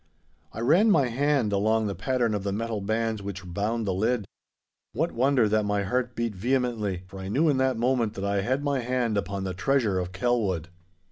I ran my hand along the pattern of the metal bands which bound the lid. What wonder that my heart beat vehemently, for I knew in that moment that I had my hand upon the Treasure of Kelwood!